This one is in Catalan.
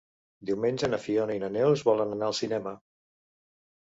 Diumenge na Fiona i na Neus volen anar al cinema.